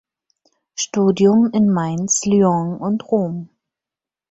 Studium in Mainz, Lyon und Rom.